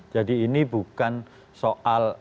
jadi ini bukan soal